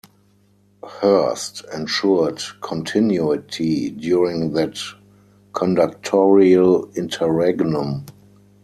Hurst ensured continuity during that conductorial interregnum.